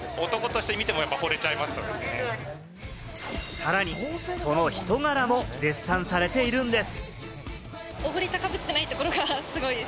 さらに、その人柄も絶賛されているんです。